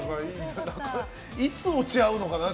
いつ落ち合うのかなって。